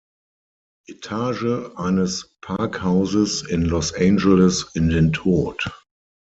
Etage eines Parkhauses in Los Angeles in den Tod.